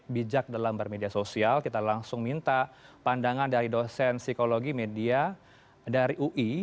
bijak dalam bermedia sosial kita langsung minta pandangan dari dosen psikologi media dari ui